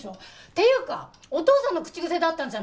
っていうかお父さんの口癖だったんじゃない。